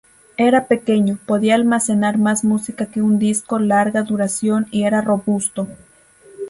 Era pequeño, podía almacenar más música que un disco larga duración y era robusto.